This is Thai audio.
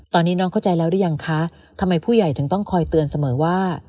ตอนนี้น้องเข้าใจแล้วหรือยังคะทำไมผู้ใหญ่ถึงต้องคอยเตือนเสมอว่า